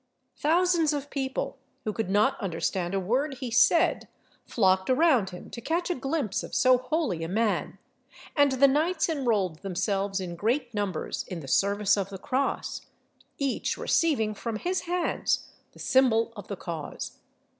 Thousands of people, who could not understand a word he said, flocked around him to catch a glimpse of so holy a man; and the knights enrolled themselves in great numbers in the service of the cross, each receiving from his hands the symbol of the cause.